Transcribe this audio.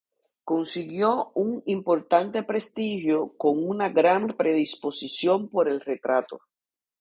Consiguió un importante prestigio, con una gran predisposición por el retrato.